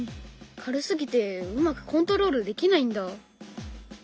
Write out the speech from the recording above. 軽すぎてうまくコントロールできないんだ。